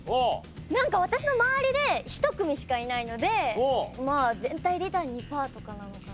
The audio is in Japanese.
なんか私の周りで１組しかいないのでまあ全体でいったら２パーとかなのかな。